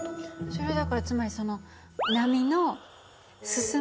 それはだからつまりそのなるほど。